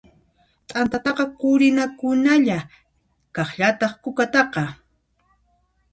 T'antataqa qurinakunalla, kaqllataq kukataqa.